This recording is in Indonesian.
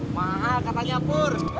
mahal katanya pur